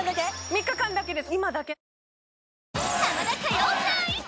３日間だけです